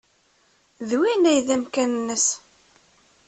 D win ay d amkan-nnes.